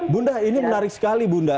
bunda ini menarik sekali bunda